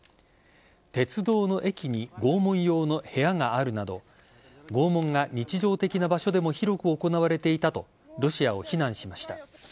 鉄道の駅に拷問用の部屋があるなど拷問が日常的な場所でも広く行われていたとロシアを非難しました。